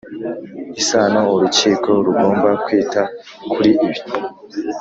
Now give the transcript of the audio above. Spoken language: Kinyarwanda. Isano Urukiko Rugomba Kwita Kuri Ibi